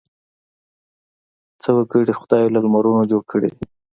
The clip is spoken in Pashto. څه وګړي خدای له لمرونو جوړ کړي وي.